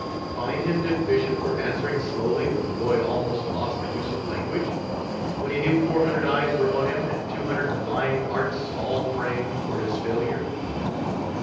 Find him deficient for answering slowly when the boy almost lost the use of language! When he knew four hundred eyes were on him and two hundred malign arts all praying for his failure!